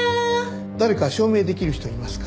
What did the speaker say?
誰か証明できる人いますか？